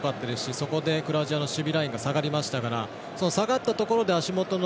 そこでクロアチアの守備ラインが下がりましたから下がったところで足元の